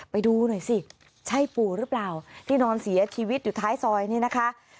ไปดูหน่อยสิใช่ปู่หรือเปล่าที่นอนเสียชีวิตอยู่ท้ายซอยนี่นะคะ